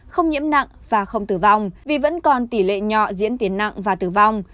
không nhiễm nặng và không tử vong vì vẫn còn tỷ lệ nhỏ diễn tiến nặng và tử vong